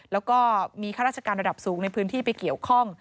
แล้วก็มีข้าราชการระดับสูงในพื้นที่ไปเกี่ยวข้อง